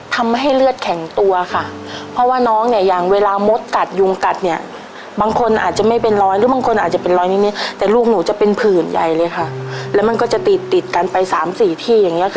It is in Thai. ทำให้เลือดแข็งตัวค่ะเพราะว่าน้องเนี่ยอย่างเวลามดกัดยุงกัดเนี่ยบางคนอาจจะไม่เป็นร้อยหรือบางคนอาจจะเป็นร้อยนิดแต่ลูกหนูจะเป็นผื่นใหญ่เลยค่ะแล้วมันก็จะติดติดกันไปสามสี่ที่อย่างเงี้ค่ะ